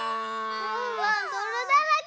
ワンワンどろだらけ。